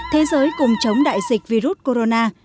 thế giới cùng chống đại dịch virus corona